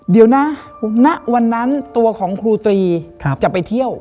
เดี๋ยวนะณวันนั้นตัวของครูตรีจะไปเที่ยว